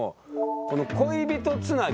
この恋人つなぎ？